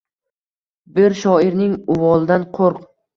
Bir shoirning uvolidan qoʼrq.